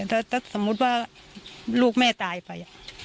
ถ้าสมมุติว่าลูกแม่ตายไป